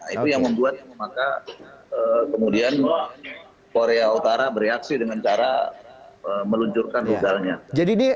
itu yang membuat maka kemudian korea utara bereaksi dengan cara meluncurkan rudalnya